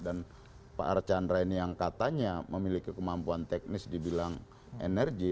dan pak archandra ini yang katanya memiliki kemampuan teknis dibilang energi